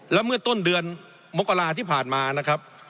แล้วเมื่อต้นเดือนมกราที่ผ่านมานะครับ